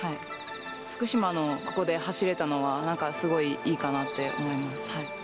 福島のここで走れたのは、なんかすごいいいかなと思います。